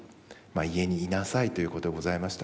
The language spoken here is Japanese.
家にいなさいということでございました。